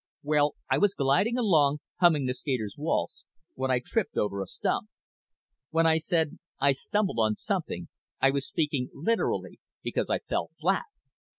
Well, I was gliding along, humming the Skater's Waltz, when I tripped over a stump. When I said I stumbled on something I was speaking literally, because I fell flat.